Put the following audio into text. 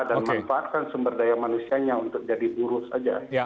dan manfaatkan sumber daya manusianya untuk jadi buruh saja